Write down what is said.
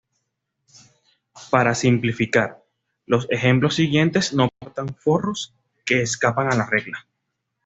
Para simplificar, los ejemplos siguientes no portan forros, que escapan a la regla.